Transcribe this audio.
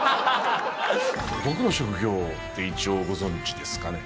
僕の職業って、一応ご存じですかね？